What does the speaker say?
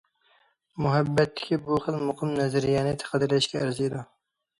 مۇھەببەتتىكى بۇ خىل مۇقىم نەزەرىيەنى قەدىرلەشكە ئەرزىيدۇ.